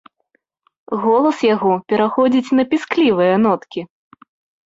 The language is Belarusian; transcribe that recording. Голас яго пераходзіць на пісклівыя ноткі.